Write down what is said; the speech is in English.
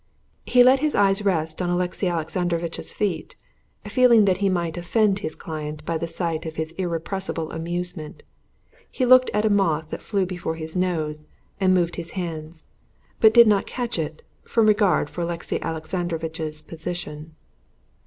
He let his eyes rest on Alexey Alexandrovitch's feet, feeling that he might offend his client by the sight of his irrepressible amusement. He looked at a moth that flew before his nose, and moved his hands, but did not catch it from regard for Alexey Alexandrovitch's position.